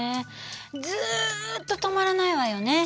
ずっと止まらないわよね。